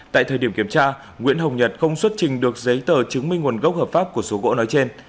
tại thời điểm kiểm tra nguyễn hồng nhật không xuất trình được giấy tờ chứng minh nguồn gốc hợp pháp của số gỗ nói trên